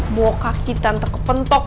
mau kaki tante kepentok